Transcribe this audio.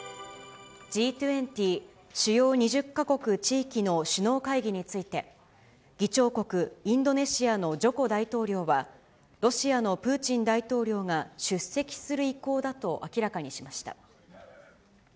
Ｇ２０・主要２０か国・地域の首脳会議について、議長国インドネシアのジョコ大統領は、ロシアのプーチン大統領が出席する意向だと明らかにしました。